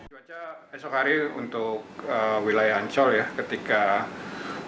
esok hari untuk wilayah ancol ya ketika